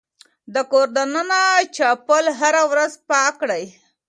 د کور دننه چپل هره ورځ پاک کړئ.